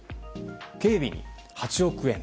警備に８億円。